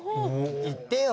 言ってよ。